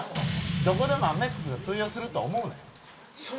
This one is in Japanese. どこでもアメックスが通用すると思うなよ。